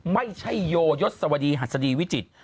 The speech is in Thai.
ไม่ใช่โยยศวดีหัสดีวิจิตร